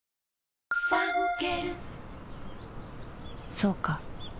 そうか